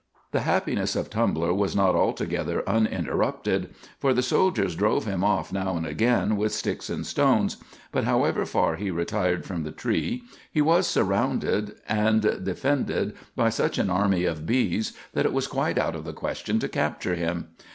The happiness of Tumbler was not altogether uninterrupted, for the soldiers drove him off now and again with sticks and stones; but however far he retired from the tree, he was surrounded and defended by such an army of bees that it was quite out of the question to capture him.